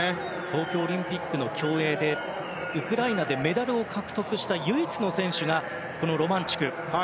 東京オリンピックの競泳でウクライナでメダルを獲得した唯一の選手がロマンチュク。